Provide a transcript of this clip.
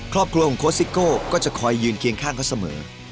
ครอบครัวของโค้ชซิโก้ก็จะคอยยืนเคียงข้างเขาเสมอ